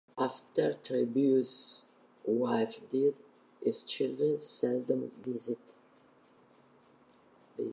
After Trebus' wife died, his children seldom visited.